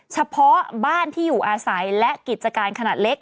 เฉพาะบ้านที่อยู่อาศัยและกิจการขนาดเล็ก